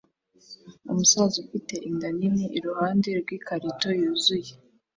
Umusaza ufite inda nini iruhande rwikarito yuzuye